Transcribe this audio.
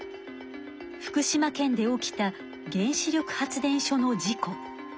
福島県で起きた原子力発電所の事故。